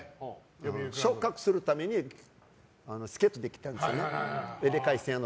昇格するために助っ人で来たんです。